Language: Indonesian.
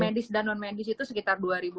medis dan non medis itu sekitar